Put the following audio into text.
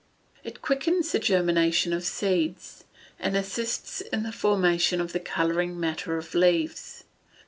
_ It quickens the germination of seeds; and assists in the formation of the colouring matter of leaves.